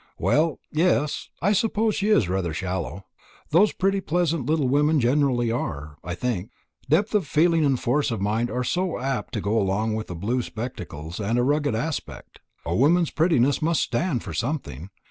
"Well yes, I suppose she is rather shallow. Those pretty pleasant little women generally are, I think. Depth of feeling and force of mind are so apt to go along with blue spectacles and a rugged aspect. A woman's prettiness must stand for something.